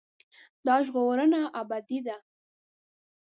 دا ژغورنه ابدي ده.